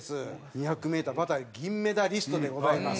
２００メーターバタフライ銀メダリストでございます。